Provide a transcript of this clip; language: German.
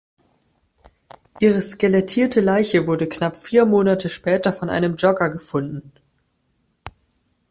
Ihre skelettierte Leiche wurde knapp vier Monate später von einem Jogger gefunden.